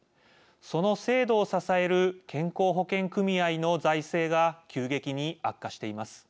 その制度を支える健康保険組合の財政が急激に悪化しています。